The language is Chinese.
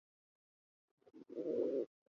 顺天府乡试第六十四名。